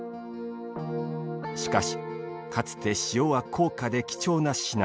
しかし、かつて塩は高価で貴重な品。